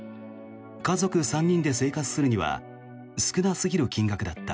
家族３人で生活するには少なすぎる金額だった。